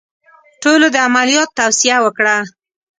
ټولو د عملیات توصیه وکړه.